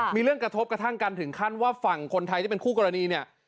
มีเรื่องกระทบกระทั่งกันถึงขั้นว่าฝั่งคนไทยที่เป็นคู่กรณีเนี่ย